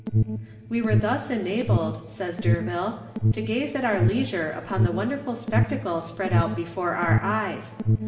"We were thus enabled," says D'Urville, "to gaze at our leisure upon the wonderful spectacle spread out before our eyes.